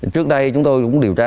trước đây chúng tôi cũng điều tra